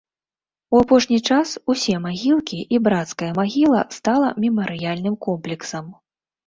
У апошні час усе магілкі і брацкая магіла стала мемарыяльным комплексам.